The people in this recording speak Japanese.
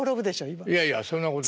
いやいやそんなことないです。